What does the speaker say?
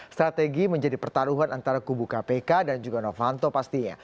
strategi menjadi pertaruhan antara kubu kpk dan juga novanto pastinya